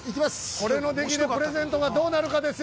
◆これのできでプレゼントがどうなるかですよ。